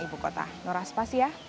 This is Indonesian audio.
ibu kota norah spasi ya